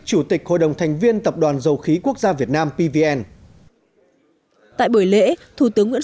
chủ tịch hội đồng thành viên tập đoàn dầu khí quốc gia việt nam pvn tại buổi lễ thủ tướng nguyễn